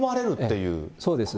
そうです。